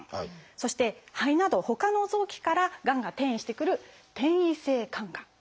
そして肺などほかの臓器からがんが転移してくる「転移性肝がん」。